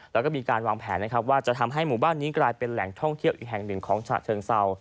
แล้วก็มีการวางแผนนะครับว่าจะทำให้หมู่บ้านนี้กลายเป็นแหล่งท่องเที่ยวอีกแห่งหนึ่งของฉะเชิงเศร้า